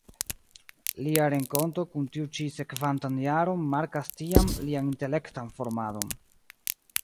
Lia renkonto kun tiu ĉi sekvantan jaron markas tiam lian intelektan formadon.